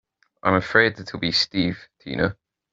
I'm afraid it'll be Steve Tina.